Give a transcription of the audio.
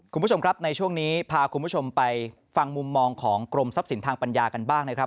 คุณผู้ชมครับในช่วงนี้พาคุณผู้ชมไปฟังมุมมองของกรมทรัพย์สินทางปัญญากันบ้างนะครับ